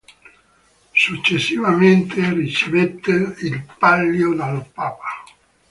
Successivamente ricevette il pallio dal papa.